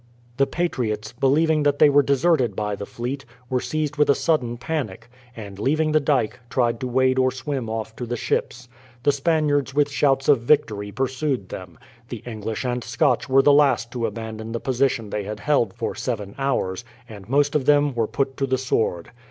The patriots, believing that they were deserted by the fleet, were seized with a sudden panic; and, leaving the dyke, tried to wade or swim off to the ships. The Spaniards with shouts of victory pursued them. The English and Scotch were the last to abandon the position they had held for seven hours, and most of them were put to the sword.